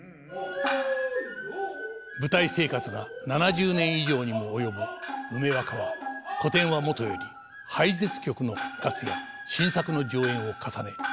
舞台生活が７０年以上にも及ぶ梅若は古典はもとより廃絶曲の復活や新作の上演を重ね